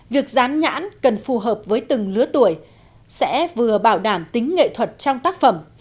việc dán nhãn cần phù hợp với từng lứa tuổi sẽ vừa bảo đảm tính nghệ thuật trong tác phẩm